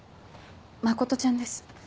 真ちゃんです。